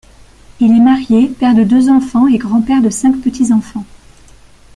Il est marié, père de deux enfants et grand-père de cinq petits-enfants.